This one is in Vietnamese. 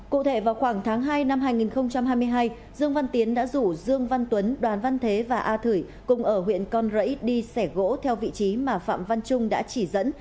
cụ thể vào khoảng tháng hai năm hai nghìn hai mươi hai dương văn tiến đã rủ dương văn tuấn đoàn văn thế và a thửi cùng ở huyện con rẫy đi xẻ gỗ theo vị trí mà phát triển